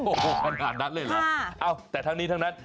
โอ้โหขนาดนั้นเลยเหรอเอ้าแต่ทั้งนี้ทั้งนั้น